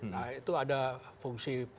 nah itu ada fungsi